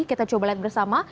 kita coba lihat bersama